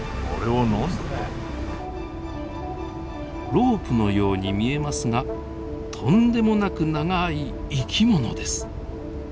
ロープのように見えますがとんでもなく長い生き物です。